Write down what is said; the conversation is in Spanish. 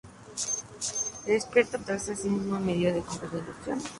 Se despierta para encontrarse a sí mismo en medio de un complejo industrial.